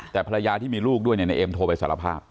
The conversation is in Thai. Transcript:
แต่ภรรยาที่มีลูกด้วยในเอ็มโทรไปสารภาพ